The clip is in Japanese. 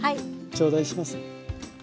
頂戴します。